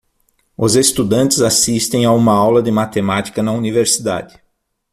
Os estudantes assistem a uma aula de matemática na universidade.